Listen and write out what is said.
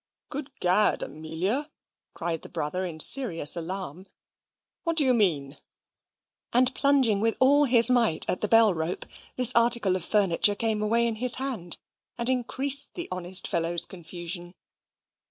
"Good Gad! Amelia," cried the brother, in serious alarm, "what do you mean?" and plunging with all his might at the bell rope, that article of furniture came away in his hand, and increased the honest fellow's confusion.